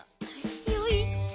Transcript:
よいしょ。